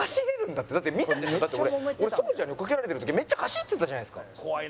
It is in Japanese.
だって俺ソルジャーに追いかけられてる時めっちゃ走ってたじゃないですか！